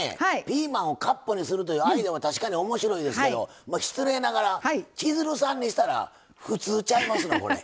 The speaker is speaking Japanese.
ピーマンをカップにするというアイデアは確かに面白いですけど失礼ながら千鶴さんにしたら普通ちゃいますの？